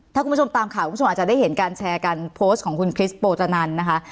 ถ้าคุณผู้ชมตามข่าวคุณผู้ชมอาจจะได้เห็นการแชร์กันโพสต์ของคุณคริสโปจนันนะคะ